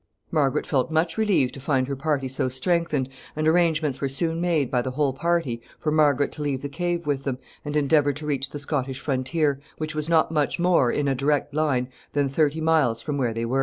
Margaret felt much relieved to find her party so strengthened, and arrangements were soon made by the whole party for Margaret to leave the cave with them, and endeavor to reach the Scottish frontier, which was not much more, in a direct line, than thirty miles from where they were.